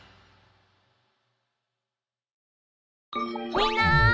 みんな！